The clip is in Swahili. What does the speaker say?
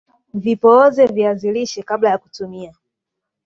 vipooze viazi lishe kabla ya kutumia